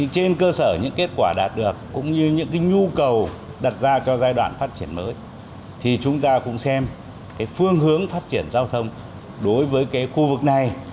trên cơ sở những kết quả đạt được cũng như những nhu cầu đặt ra cho giai đoạn phát triển mới thì chúng ta cũng xem phương hướng phát triển giao thông đối với khu vực này